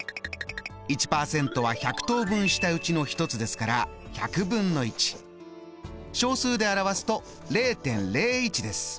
１％は１００等分したうちの１つですから小数で表すと０．０１です。